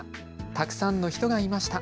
たくさんの人がいました。